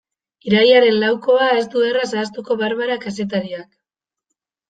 Irailaren laukoa ez du erraz ahaztuko Barbara kazetariak.